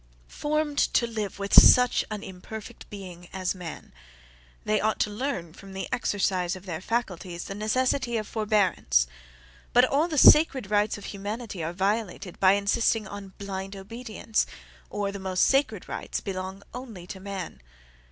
Formed to live with such an imperfect being as man, they ought to learn from the exercise of their faculties the necessity of forbearance; but all the sacred rights of humanity are violated by insisting on blind obedience; or, the most sacred rights belong ONLY to man.